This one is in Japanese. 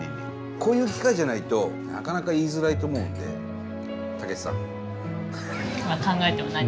こういう機会じゃないとなかなか言いづらいと思うんで毅さん。考えてもない。